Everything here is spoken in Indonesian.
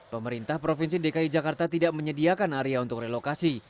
pemerintah provinsi dki jakarta tidak menyediakan area untuk relokasi